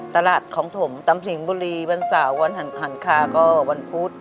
ตลาดของถมตำสิงห์บุรีวันเสาร์วันหันคาก็วันพุธ